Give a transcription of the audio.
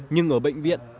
nhưng ở bệnh viện